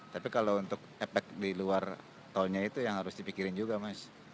tapi kalau untuk efek di luar tolnya itu yang harus dipikirin juga mas